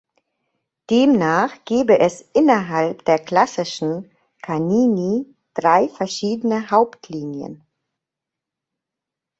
Demnach gäbe es innerhalb der klassischen Canini drei verschiedene Hauptlinien.